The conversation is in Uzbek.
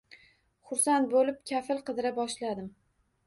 Xursand bo‘lib kafil qidira boshladim.